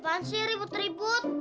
apaan sih ribut ribut